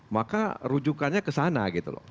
maka rujukannya ke sana gitu loh